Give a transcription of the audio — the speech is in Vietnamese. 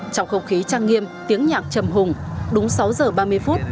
trong không khí trăng nghiêm tiếng nhạc chầm hùng đúng sáu giờ ba mươi phút